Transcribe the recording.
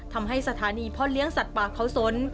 ทำให้สถานีพ่อเลี้ยงสัตว์ป่าเขาสน